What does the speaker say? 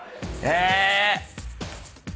え。